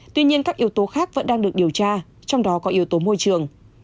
tuy nhiên các yếu tố khác vẫn đang được điều tra trong đó có yếu tố môi trường